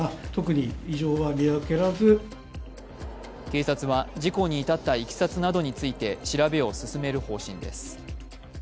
警察は事故に至ったいきさつなどについて調べを進める方針です。